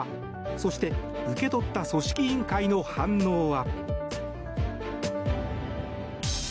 そして受け取った組織委員会の反応は。